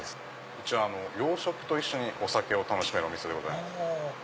うちは洋食と一緒にお酒を楽しめるお店でございます。